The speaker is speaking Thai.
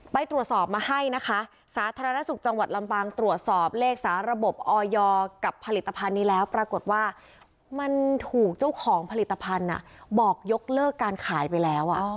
พ่อก็ยกเลิกการขายไปแล้ว